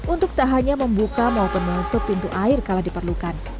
untuk tak hanya membuka maupun menutup pintu air kalau diperlukan